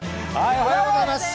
おはようございます。